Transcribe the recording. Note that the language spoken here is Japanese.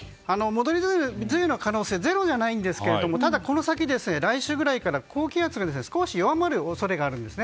戻り梅雨の可能性ゼロじゃないんですけれどもただこの先、来週ぐらいから高気圧が少し弱まる恐れがあります。